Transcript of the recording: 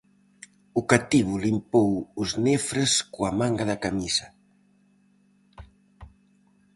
O cativo limpou os nefres coa manga da camisa.